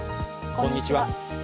こんにちは。